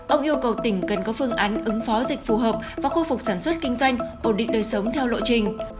ông yêu cầu tỉnh cần có phương án ứng phó dịch phù hợp và khôi phục sản xuất kinh doanh ổn định đời sống theo lộ trình